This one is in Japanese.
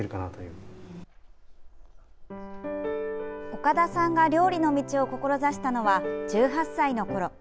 岡田さんが料理の道を志したのは、１８歳のころ。